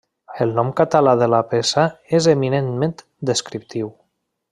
El nom català de la peça és eminentment descriptiu.